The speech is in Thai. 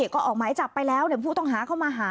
ก็เอาไหมจับไปแล้วเดี๋ยวผู้ต้องหาเขามาหา